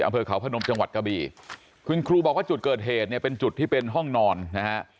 อำเภอเขาพนมจังหวัดกะบี่คุณครูบอกว่าจุดเกิดเหตุเนี่ยเป็นจุดที่เป็นห้องนอนนะฮะ